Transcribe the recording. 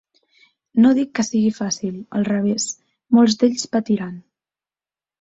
No dic que sigui fàcil, al revés, molts d’ells patiran.